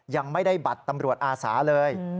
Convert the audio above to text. ยังไม่ได้บัตรตำรวจอาสาเลย